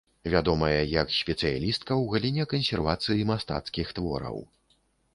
Вядомая як спецыялістка ў галіне кансервацыі мастацкіх твораў.